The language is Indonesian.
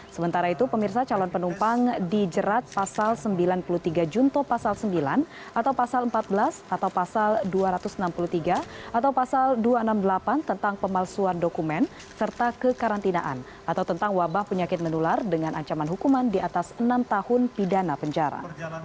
sementara itu pemirsa calon penumpang dijerat pasal sembilan puluh tiga junto pasal sembilan atau pasal empat belas atau pasal dua ratus enam puluh tiga atau pasal dua ratus enam puluh delapan tentang pemalsuan dokumen serta kekarantinaan atau tentang wabah penyakit menular dengan ancaman hukuman di atas enam tahun pidana penjara